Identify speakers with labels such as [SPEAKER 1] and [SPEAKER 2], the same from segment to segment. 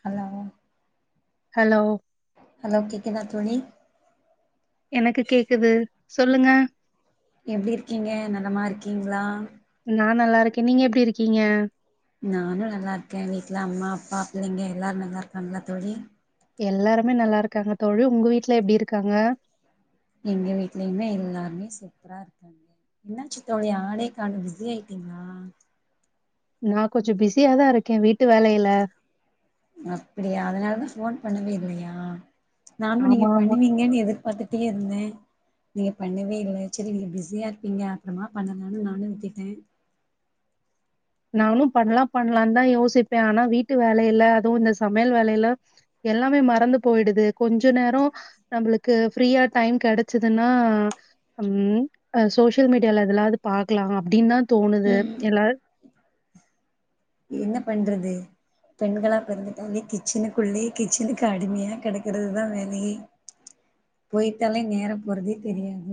[SPEAKER 1] Hello
[SPEAKER 2] hello
[SPEAKER 1] hello கேக்குத தோழி
[SPEAKER 2] எனக்கு கேக்குது சொல்லுங்க
[SPEAKER 1] எப்படி இருக்கீங்க நலமா இருக்கீங்களா
[SPEAKER 2] நா நல்லா இருக்கே நீங்க எப்படி இருக்கீங்க
[SPEAKER 1] நானு நல்லா இருக்கே வீட்டுல அம்மா அப்பா பிள்ளைங்க எல்லாரு நல்லா இருக்காங்கல்லா தோழி
[SPEAKER 2] எல்லாருமே நல்லா இருக்காங்க தோழி உங்க வீட்டுல எப்படி இருக்காங்க
[SPEAKER 1] எங்க வீட்டுலயுமே எல்லாருமே சூப்பரா இருக்காங்க என்ன ஆச்சு தோழி ஆளே காணோ பிஸி ஆயிட்டீங்களா
[SPEAKER 2] நா கொஞ்சு பிஸியா தா இருக்கே வீட்டு வேலையில
[SPEAKER 1] அப்படியா அதனாலதா போன் பண்ணவே இல்லையா நானு நீங்க
[SPEAKER 2] ஆமா, ஆமா.
[SPEAKER 1] பண்ணுவீங்கன்னு எதிர்பாத்துட்டு கட்டியே இருந்தே நீங்க பண்ணவே இல்ல சரி நீங்க பிஸியா இருப்பீங்க அப்புறமா பண்ணலானு நானு விட்டுட்டே
[SPEAKER 2] நானு பண்ணலா பண்ணலானு தா யோசிப்பே ஆனா வீட்டு வேலையில அதுவு இந்த சமையல் வேலையில எல்லாமே மறந்து போயிடுது கொஞ்ச நேரோ நம்மளுக்கு ஃப்ரீயா டைம் கெடச்சதுன்னா ம் ஆ சோசியல் மீடியால எதுல்லாவது பாக்கலா அப்படின்னு தா தோணுது எல்லா
[SPEAKER 1] என்ன பண்றது பெண்களா பெறந்துட்டாலே கிச்சனுக்குள்ளே கிச்சனுக்கு அடிமையா கெடைக்கிறது தா வேலையே போயிட்டாலே நேர போறதே தெரியாது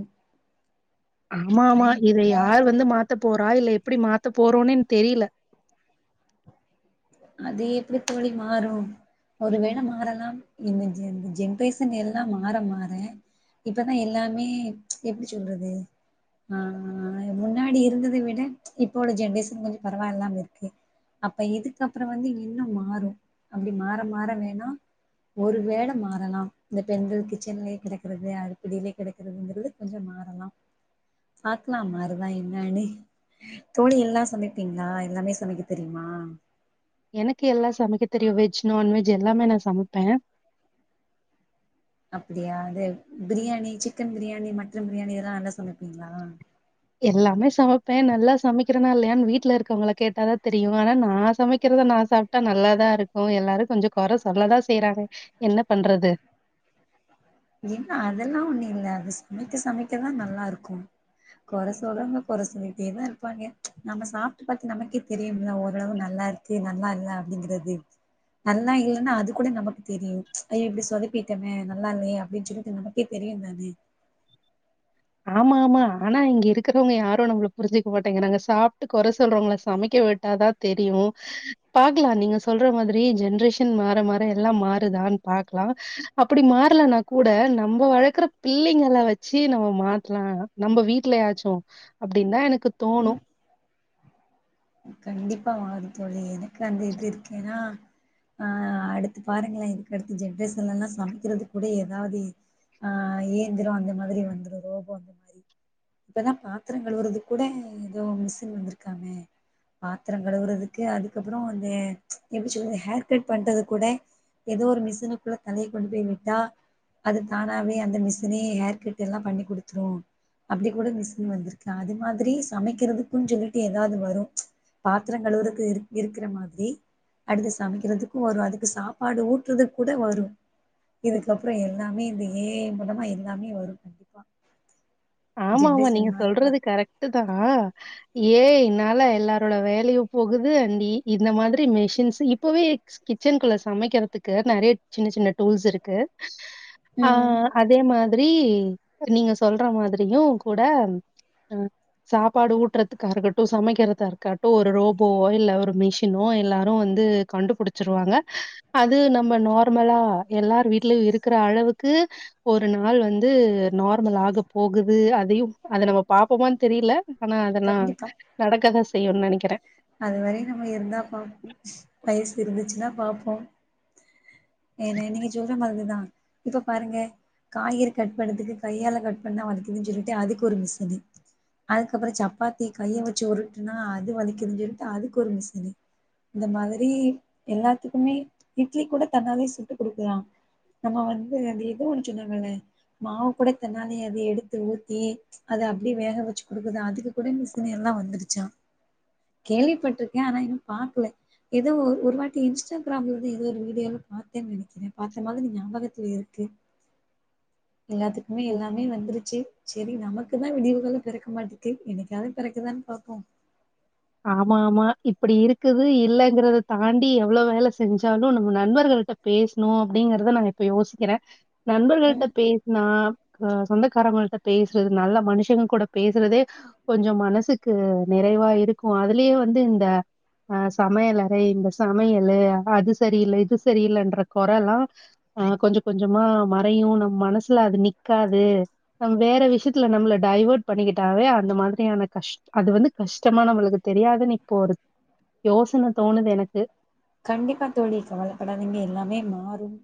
[SPEAKER 2] ஆமா ஆமா இத யார் வந்து மாத்த போறா இல்ல எப்படி மாத்த போறோனே இன்னு தெரியல
[SPEAKER 1] அது எப்படி தோழி மாறு ஒருவேளை மாறலா இந்த ஜென் ஜென்ரேசன் எல்லா மாற மாற இப்பதா எல்லாமே எப்படி சொல்றது ஆ முன்னாடி இருந்தத விட இப்போவுள்ள ஜென்ரேஷன் கொஞ்சோ பரவாயில்லாம இருக்கு அப்ப இதுக்கு அப்புறோ வந்து இன்னு மாறு அப்டி மாற மாற வேணா ஒரு வேல மாறலா இந்த பெண்கள் கிச்சன்லே கிடக்றது அடிப்படியிலயே கிடக்கறதுங்கிறது கொஞ்சோ மாறலா பாக்லாம் மாறுதா என்னண்ணி தோழி எல்லா சமைப்பீங்களா எல்லாமே சமைக்க தெரியுமா
[SPEAKER 2] எனக்கு எல்லா சமைக்க தெரியு வெஜ் நான்வெஜ் எல்லாமே நா சமப்பே
[SPEAKER 1] அப்டியா இது பிரியாணி சிக்கன் பிரியாணி மட்டன் பிரியாணி இதெல்லா நல்லா செமப்பீங்களா
[SPEAKER 2] எல்லாமே சமப்பே நல்லா சமைக்கிறனா இல்லையான்னு வீட்ல இருக்கவங்கள கேட்டாதா தெரியு ஆனா நா சமைக்கிறத நா சாப் ப்டா நல்லாதா இருக்கு எல்லாரு கொஞ்சோ கொற சொல்லதா செய்றாங்க என்ன பண்றது
[SPEAKER 1] இன்னா அதெல்லா ஒண்ணு இல்ல அது சமைக்க சமைக்கதா நல்லா இருக்கு கொறசுல்ரவுங்க கொறசொல்லிடே தா இருப்பாங்க நம்ம சாப்ட்டு பாத்து நமக்கே தெரியும்ல ஓரளவு நல்லா இருக் கு நல்லா இல்ல அப்படிங்கறது நல்லா இல்லென்னா அது கூட நமக்கு தெரியு அயோ இப்டி சொதப்பிட்டமே நல்லா இல்லயே அப்டின்னு சொல்லிட்டு நமக்கே தெரியு தானே
[SPEAKER 2] ஆமா ஆமா ஆனா இங்க இருக்கிறவங்க யாரு நம்மள புரிஞ்சுக்க மாட்டேங்கறாங்க சாப்ட்டு கொற சொல்றவங்கள சமைக்க விட்டாதா தெரியு பாக்லா நீங்க சொல்ற மாதிரி ஜென்ரேஷன் மாற மாற எல்லா மாறுதான்னு பாக்லா அப்டி மாறலனா கூட நம்ம வள்கற பிள்ளைங்கல வச்சு நம்ம மாத்தலா நம்ம வீட்லயாச்சு அப்டின் தா எனக்கு தோணு
[SPEAKER 1] கண்டிப்பா மாறுந்தோழி எனக்கு அந்த இது இருக்கேன்னா ஆ அடுத்து பாருங்களே இதுக்கு அடுத்த ஜென்ரேஷன் லல்லா சமைக்கிறது கூட ஏதாவுது ஆ இயந்திரோ அந்த மாரி வந்துடு ரோபோ அந்த மாரி இப்பதா பாத்திரங்கழுவறது கூட ஏதோ மிஷின் வந்திருக்காமே பாத்திரங் கழுவுறதுக்கு அதுக்கு அப்புறோ அந்து எப்டி சொல்து ஹேர் கட் பண்றது கூட ஏதோ ஒரு மிஷினுக்குள்ள தலைய கொண்டு போய் விட்டா அது தானாவே அந்த மிசினே ஹேர் கட் எல்லா பண்ணி குடுத்துரு அப்டி கூட மிஷின் வந்திருக்கு அது மாதிரி சமைக்கிறதுக்குன் சொல்லிட்டு ஏதாவ்து வரு பாத்திர கழுவுருக்கு இருக் இருக்கிற மாதிரி அடுத்து சமைக்கிறதுக்கு வரு அதுக்கு சாப்பாடு ஊட்டுறதுக் கூட வரு இதுக்கு அப்புறோ எல்லாமே இந்த ஏ ஐ மூலமா எல்லாமே வரு கண்டிப்பா
[SPEAKER 2] ஆமாமா
[SPEAKER 1] ஜென்ரேஷன்
[SPEAKER 2] நீங்க
[SPEAKER 1] மாற மாற
[SPEAKER 2] சொல்றது கரெக்ட்டு தானா ஏஐ ன்னால எல்லாரோட வேலயு போகுது அண்ட் இந்த மாதிரி மிஷின்ஸ் இப்பவே இருக் கிச்சனுக்குள்ள சமைக்கிறதுக்கு நெறைய சின்ன சின்ன டூல்ஸ் இருக்கு ஆ
[SPEAKER 1] ம்
[SPEAKER 2] அதே மாதிரி நீங்க சொல்ற மாதிர் ரியூ கூட அ சாப்பாடு ஊட்டுறதுக்கா இருக்கட்டு சமைக்கிறதா இருக்குட்டு ஒரு ரோபோவோ இல்ல ஒரு மிஷினோ எல்லாரு வந்து கண்டுபுடிச்சுருவாங்க அது நம்ம நார்மலா எல்லாரு வீட்லயு இருக்கற அளவுக்கு ஒரு நாள் வந்து நார்மல் ஆகப்போ போகுது அதையு அத நம்ம பாப்போமா னு தெரியில ஆனா அதெல்லா
[SPEAKER 1] கண்டிப்பா
[SPEAKER 2] நடக்கதா செய்யுன்னு நெனைக்கிறே
[SPEAKER 1] அது வரையு நம்ம இருந்தா பாப்போ வயசு இருந்துச்சுன்னா பாப்போம் ஏது நீங்க சொல்ற மாதிரிதா இப்ப பாருங்க காய்கறி கட் பண்ணுதுக்கு கையால கட் பண்ணா வளிக்கிதுன்னு சொல்லிட்டு அதுக்கு ஒரு மிஸினு அதுக்கப்புறோ சப்பாத்திய கைய வச்சு ஒருட்டுன்னா அது வலிக்குதுனு சொல்லிட்டு அதுக்கு ஒரு மிசினு இந்த மாதிரி எல்லாத்துக்குமே இட்லி கூட தன்னாலே சுட்டு கொடுக்குதா நம்ம வந்து அது எது ஒன்னு சொன்னங்களே மாவு கூட தன்னாலே அது எடுத்து ஊத்தி அது அப்டியே வேக வச்சு குடுக்குது அதுக்கு கூட மிசினு எல்லா வந்துருச்சா கேள்விப்பட்டிருக்கே ஆனா இன்னு பாக்கல ஏதோ ஒரு ஒரு வாட்டி இன்ஸ்டாகிராம்லருந்து எதோ ஒரு வீடியோல பாத்தேன்னு நெனைக்கிறே பாத்த மாரி ஞாபகத்துல இருக்கு எல்லாத்துக்குமே எல்லாமே வந்துருச்சி செரி நமக்குதான் விடிவுகாலம் பிறக்க மாட்டேக்கு எனக்காவது பிறக்குதான்னு பாப்போ
[SPEAKER 2] ஆமா ஆமா இப்டி இருக்குது இலங்கறத தாண்டி எவ்வளவு வேல செஞ்சாலு நம்ம நண்பர்கள்கிட்ட பேசணு அப்டிங்கறத நா இப்ப யோசிக்கிறே நண்பர்கள்கிட்ட
[SPEAKER 1] ம்
[SPEAKER 2] பே சனா அ சொந்தக்காரவங்கிட்ட பேசுறது நல்ல மனுஷங்க கூட பேசுறதே கொஞ்ச மனசுக்கு நிறைவா இருக்கு அதுலேயே வந்து இந்த அ சமையலறை இந்த சமையலு அது சரியில்ல இது சரியிலன்ற கொறல்லா ஆ கொஞ்சம் கொஞ்சமா மறையு நம் மனசுல அது நிக்காது நம் வேற விஷயத்துல நம்மள டைவர்ட் பண்ணிக்கிட்டாவே அந்த மாதிரியான கஷ் அது வந்து கஷ்டமா நம்மளுக் கு தெரியாதுன்னு இப்போ ஒரு யோசனை தோணுது எனக்கு
[SPEAKER 1] கண்டிப்பா தோழி கவலபடாதிங்க எல்லாமே மாறும்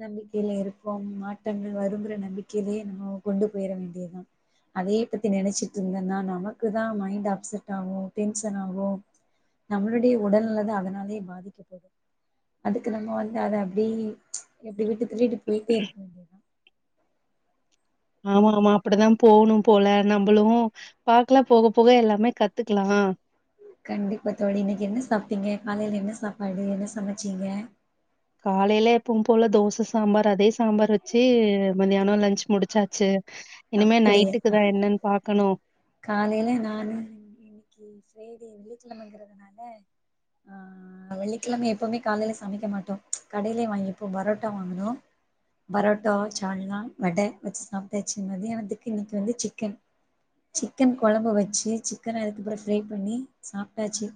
[SPEAKER 1] நம்பிக்கையில இருப்போ மாற்றங்கள் வருங்கற நம்பிக்கையிலயே நம்ம கொண்டு போயிற வேண்டியதுதா அதே பத்தி நெனைச்சிட்டு இருந்தேன்னா நமக்கு தா மைண்ட் அப்செட் ஆகு டென்ஷன் ஆகு நம்மளுடைய உடல் நில அதனாலேயே பாதிக்கபடும் அதுக்கு நம்ம வந்து அத அப்டி எப்டி விட்டு தள்ளிட்டு போயிட்டே இருக்கணு
[SPEAKER 2] ஆமா ஆமா அப்டிதா போணு போல நம்மளு பாக்கலா போக போக எல்லாமே கத்துக்கலா
[SPEAKER 1] கண்டிப்ப தோழி இன்னைக்கி என்ன சாப்பிட்டீங்க காலையில என்ன சாப்பாடு என்ன சமச்சீங்க
[SPEAKER 2] காலையில எப்பவும் போல தோசை சாம்பார் அதே சாம்பார் வச்சி மத்தியானோ லஞ்ச் முடிச்சாச்சி இனிமே நைட்டுக்கு
[SPEAKER 1] அப்டியா
[SPEAKER 2] தா என்னன்னு பாக்கணு
[SPEAKER 1] காலையில நானு இன்னைக் ஃப்ரைடே வெள்ளிக்கிழமைங்கிறதுனால ஆ வெள்ளிக்கிழம எப்வுமே காலையில சமைக்க மாட்டோ கடையிலேயே வாங்கி எப்போ பரோட்டா வாங்கணு பரோட்டோவு சால்னா வட வச்சி சாப்பிட்டாச்சி மத்தியனதுக்கு இன்னைக்கி வந்து சிக்கன் சிக்கன் கொழம்பு வச்சி சிக்கன் அதுக்கப்புறம் ஃப்ரை பண்ணி சாப்பிட்டாச்சி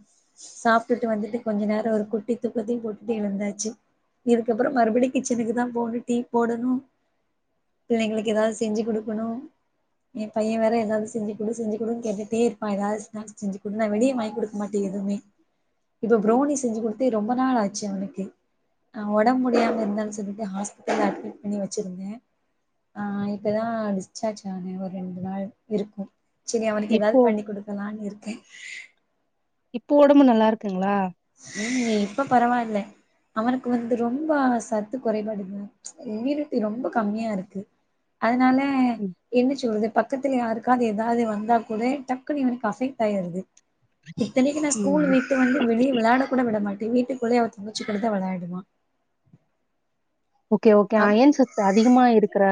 [SPEAKER 1] சாப்பிட்டுட்டு வந்துட்டு கொஞ்ச நேரோ ஒரு குட்டி தூக்கத்தையு போட்டுட்டு எழுந்தாச்சு இதுக்கப்புறம் மறுபடி கிச்சனுக்கு தா போகணு டீ போடணு பிள்ளைங்களுக்கு ஏதாவது செஞ்சு குடுக்கணும் எ பைய வேற எதாவது செஞ்சி குடு செஞ்சிகுடுன்னனு கேட்டே இருப்பா ஏதாவது ஸ்நாக்ஸ் செஞ்சிகுடுன்ன நா வெளிய குடுக்க மாட்டே எதுமே இப்ப ப்ரவுனி செஞ்சி குடுத்து ரொம்ப நாள் ஆச்சி அவனுக்கு அ ஒடம்பு முடியாம இருந்தானு சொல்லிட்டு ஹாஸ்ட்டல அட்மிட் பண்ணி வச்சிருந்தே ஆ இப்போ தா டிஸ்சார்ஜ் ஆன ஒரு ரெண்டு நாள் இருக்கு செரி அவனுக்கு
[SPEAKER 2] இப்போ
[SPEAKER 1] ஏதாவது பண்ணி கொடுக்கலான்னு இருக்கே
[SPEAKER 2] இப்போ ஒடம்பு நல்லா இருக்குங்களா
[SPEAKER 1] ம் இப்ப பரவாயில்ல அவனுக்கு வந்து ரொம்ப சத்து குறைபடு இது இம்யூனிட்டி ரொம்ப கம்மியா இருக்கு அதனால
[SPEAKER 2] ம்
[SPEAKER 1] என்ன சொல்றது பக் கத்துல யாருக்காவது ஏதாவது வந்தா கூட டக்குன்ன இவனுக்கு அபெக்ட் ஆயிடுது இத்தனைக்கு நா ஸ்கூல்
[SPEAKER 2] ம்
[SPEAKER 1] வட்டு வந்து வெளிய விளையாட கூட விடமாட்டே வீட்டுக்குள்ளய அவள் தங்கச்சு கூடுத்ததா விளையாடுவா
[SPEAKER 2] ஓகே ஓகே
[SPEAKER 1] அப்
[SPEAKER 2] அயன் சத்து அதிகமா இருக்கிற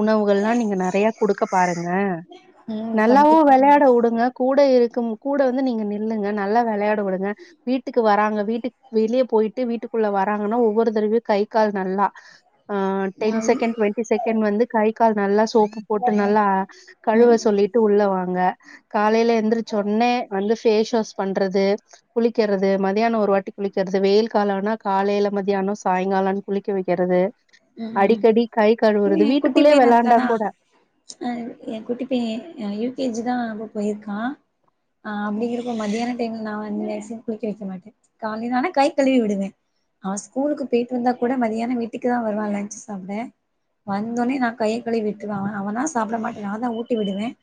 [SPEAKER 2] உணவுகள்ல்லா நீங்க நெறைய குடுக்க பாருங்க
[SPEAKER 1] ம்
[SPEAKER 2] நல்லாவு
[SPEAKER 1] கண்டிப்பா
[SPEAKER 2] வெளையாட
[SPEAKER 1] கண்டிப்பா
[SPEAKER 2] வுடுங்க கூட இருக்கும் கூட வந்து நீங்க நில்லுங்க நல்லா விளையாட விடுங்க வீட்டுக்கு வராங்க வீட்டு வெளியே போயிட்டு வீட்டுக்குள்ள வர்ராங்கன்னா ஒவ்வொரு தடவையும் கை கால் நல்லா ஆ
[SPEAKER 1] நா
[SPEAKER 2] டென் செகண்ட் டு்வெண்டி செகண்ட் வந்து கை கால் நல்லா சோப்பு போட்டு நல்லா கழுவ
[SPEAKER 1] ம்
[SPEAKER 2] சொல்லிட்டு உள்ளவாங்க காலையில எந்திரிச்ச ஒட்னே வந்து ஃபேஸ் வாஷ் பண்றது குளிக்கறது மதியானொ ஒரு வாட்டி குளிக்கறது வெயில் காலம்னா காலையில மதியானொ சாயங்காலொன் குளிக்க வைக்கிறது
[SPEAKER 1] ம் ம்
[SPEAKER 2] அடிக்கடி கை கழுவுறது வீட்டுக்குள்ளே விளாண்டா கூட
[SPEAKER 1] அ என் குட்டி போய் அ யூ கே ஜி தா இப்ப போயிருக்கா ஆ அப்படிங்கிறப்ப மத்தியான டைம்ல நா வந்து மேக்சிமம் குளிக்க வைக்க மாட்டேன் காலலேலன கை கழுவி விடுவேன் அவன் ஸ்கூலுக்கு போயிட்டு வந்தா கூட மதியான வீட்டுக் க்கு தா வருவான் லஞ்சு சாப்ட வந்தோனே நா கை கழுவி விட்டுருவன் அவனா சாப்பிட மாட்டேன் நா தான் ஊட்டி விடுவேன்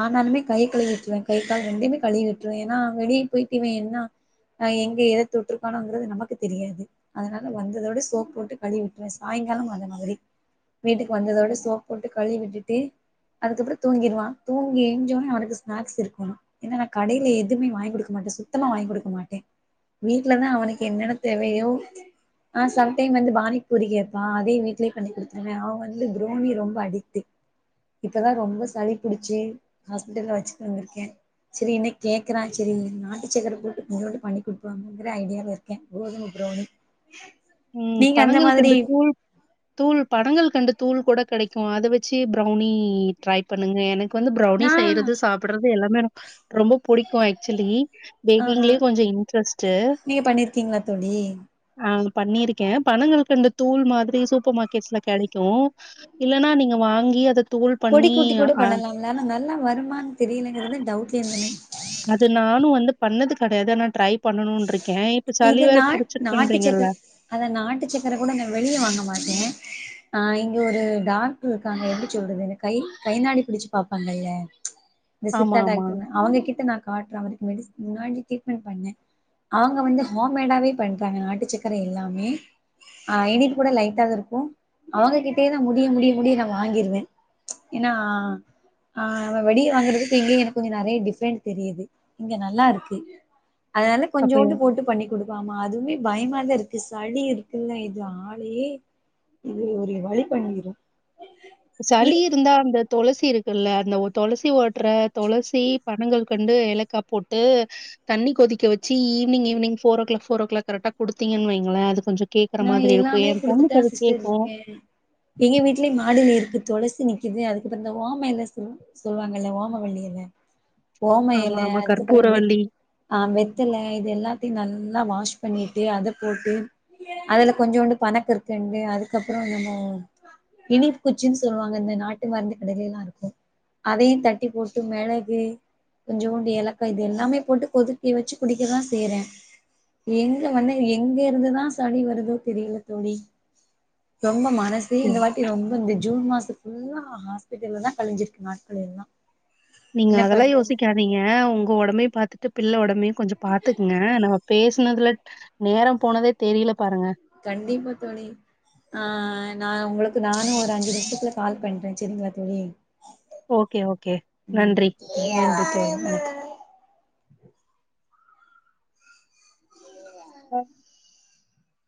[SPEAKER 1] ஆனாலுமே கை கழுவி விட்டுருவே கை கால் ரெண்டுமே கழுவி விட்டுருவேன் ஏன்னா வெளியே போயிட்டு இவேன் என்னா அ எங்க எத தொட்டுருக்கானுங்கறது நமக்கு தெரியாது அதனால வந்ததோட சோப் போட்டு கழுவி வுட் வேன் சாய்ங்காலம் அந்த மாதிரி வீட்டுக்கு வந்ததோட சோப்பு போட்டு கழுவி வுட்டுட்டு அதுக்கப்புறம் தூங்கிர்வான் தூங்கி எழுஞ்சோனே அவன்க்கு ஸ்நாக்ஸ் இருக்கணும் ஏன்னா நா கடையில எதுவுமே வாங்கி கொடுக்க மாட்டன் சுத்தமா வாங்கி் கொடுக்க மாட்டேன் வீட்லதான் அவனுக்கு என்னென்ன தேவையோ ஆ சம்டைம் வந்து பானி பூரிக் கேப்பா அதே வீட்லயே பண்ணி கொடுத்துர்வே அவன் வந்து பிரௌனி ரொம்ப அடிக்ட் இப்பதான் ரொம்ப சளி புடிச்சு ஹாஸ்பிட்டல்ல வச்சுட்டு வந்திருக்கேன் சரி இன்னைக கேக்குறான் சரி நாட்டு சக்கர போட்டு கொஞ்சோண்டு பண்ணி குடுப்போ அப்டிங்கிற ஐடியாவ இருக் கே கோதும பிரௌனி
[SPEAKER 2] உம் பனங்கல்கெண்டு தூள் தூள் பனங்கல்கண்டு தூள் கூட கிடைக்கும் அத வச்சு பிரௌனி ட்ரை பண்ணுங்க எனக் கு வந்து பிரௌனி
[SPEAKER 1] நா
[SPEAKER 2] செய்யறது சாப்றது எல்லாமே எனக் ரொம்ப பிடிக்கும் ஆக்சுவலி
[SPEAKER 1] ஆஹா
[SPEAKER 2] பேக்கிங்லயும் கொஞ்சம் இன்ட்ரெஸ்ட்ட
[SPEAKER 1] நீங்க பண்ணிருக்கீங்களா தோழி
[SPEAKER 2] ஆ பண்ணிருக்கேன் பணங்கல்கெண்டு தூள் மாதிரி சூப்பர் மார்க்கெட்ஸ்ல கிடைக்கும் இல்லன்னா நீங்க வாங்கி அத தூள் பண்ணி ஆ
[SPEAKER 1] இல்லனா நல்லா வருமான்னு தெரியலங்கிறத டவுட்லே இருந்தனே
[SPEAKER 2] அது நானும் வந்து பண்ணது கிடையாது நான் ட்ரை பண்ணணும் இருக்கேன் இப்ப சளி
[SPEAKER 1] இது
[SPEAKER 2] வேற
[SPEAKER 1] நா நாட்டு சக்கர
[SPEAKER 2] புடிச்சிருக்கன்றீங்கல்ல
[SPEAKER 1] அத நாட்டுச்சக்கர கூட நா வெளியே வாங்க மாட்டேன் ஆ இங்க ஒரு டாக்டர் இருக்காங்க எப்டி சொல்றது இந்த கை கைனாடி பிடிச்சு பாப்பாங்கல்ல இந்த
[SPEAKER 2] ஆமா,
[SPEAKER 1] சித்தா
[SPEAKER 2] ஆமா.
[SPEAKER 1] டாக்டர்னு அவங்ககிட்ட நா காட்டுற அவனுக் மெடிசி முன்னாடி ட்ரிட்மெண்ட் பண்ணேன் அவங்க வந்து ஹோம்மேடாவே பண்றாங்க நாட்டு சக்கர எல்லாமே ஆ இனிப்பு கூட லைட்டா தா இருக்கும் அவங்ககிட்டயே நா முடிய முடிய முடிய நா வாங்கிருவேன் எனா ஆ நம்ம வெளிய வாங்குறதுக்கு இங்கயும் எனக்கு கொஞ்சம் நெறைய டிஃப்ரெண்ட் தெரியுது இங்க நல்லா இருக்கு அத வந்து
[SPEAKER 2] அப்ப
[SPEAKER 1] கொஞ்சோண்டு போட்டு பண்ணி கொடுப்பாமா அதுமே பயமாதான் இருக்கு சளி இருக்குல்ல இது ஆளையே இது ஒரு வழி பண்ணிரும்
[SPEAKER 2] சளி இருந்தா அந்த துளசி இருக்குல்லா அந்த துளசி ஓட்டுற துளசி பணங்கல்கண்டு ஏலக்கா போட்டு தண்ணி கொதிக்க வச்சி evening evening four four o'clock கரெக்டா குடுத்தீங்கன்னு வைங்களன் அது கொஞ்சம் கேக்குற
[SPEAKER 1] நா
[SPEAKER 2] மாதிரி இருக்கும்
[SPEAKER 1] எல்லாமே
[SPEAKER 2] என்
[SPEAKER 1] குடுத்துட்டா
[SPEAKER 2] பொண்ணுக்குது
[SPEAKER 1] சிஸ்டர்
[SPEAKER 2] கேக்கும்
[SPEAKER 1] இருக்கே எங்க வீட்லயே மாடிலா இருக்கு துளசி நிக்கிது அதுக்கப்புறம் இந்தான ஓம எல சொல்லு சொல்வாங்கல்ல ஓமவள்ளி எல ஓம
[SPEAKER 2] ஆமா,
[SPEAKER 1] எல
[SPEAKER 2] ஆமா.
[SPEAKER 1] அதுக்கப்பறோ வெத்
[SPEAKER 2] கற்பூரவள்ளி
[SPEAKER 1] அ வெத்தல இது எல்லாத்தயு நல்லா வாஷ் பண்ணீட்டு அத போட்டு அதுல கொஞ்சோண்டு பனகற்கண்டு அதுக்கப்பறோ என்னமோ இனிப் குச்சின் சொல்வாங்க இந்த நாட்டு மருந்து கடைலில்லா இருக்கு அதையு தட்டி போட்டு மெளகு கொஞ்சோண்டு ஏலக்கா இது எல்லாமே போட்டு கொதிக்க வச்சு குடிக்கதா செய்யறே எங்க வந்து இது எங்க இருந்துதா சளி வருதோ தெரியில தோழி ரொம்ப மனசே இந்த வாட்டி ரொம் ப இந்த ஜூன் மாசோ ஃபுல்லா ஹாஸ்பிட்டல்ல தா கழிஞ்சிருக்கு நாட்கள் எல்லா
[SPEAKER 2] நீங்க
[SPEAKER 1] என்ன
[SPEAKER 2] அதெல்லா
[SPEAKER 1] பண்றது
[SPEAKER 2] யோசிக்காதீங்க உங்க ஒடம்பயு பாத்துட்டு பிள்ள ஒடம்பயு கொஞ்சோ பாத்துக்ங்க நாம பேஸ் னதுலா நேரம் போனதே தெரீல பாருங்க
[SPEAKER 1] கண்டிப்பா தோழி ஆ நா உங்களுக்கு நானே ஒரு அஞ்சு நிம்ஷத்துல கால் பண்றே செரிங்ளா தோழி
[SPEAKER 2] ஓகே ஓகே நன்றி
[SPEAKER 1] [inaudible] நன்றி தோழி அ
[SPEAKER 2] ஓ